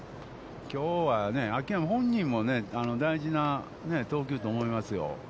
きょうはね、秋山本人もね、大事な投球と思いますよ。